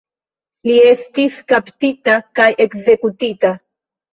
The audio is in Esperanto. Li estis kaptita kaj ekzekutita.